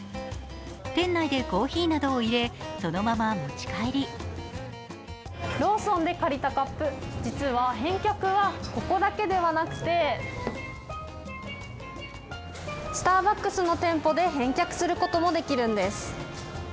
店内でコーヒーなどを入れそのまま持ち帰りローソンで借りたカップ実は返却はここだけではなくてスターバックスの店舗で返却することもできるんです。